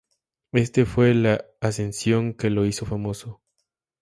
Este fue la ascensión que lo hizo famoso.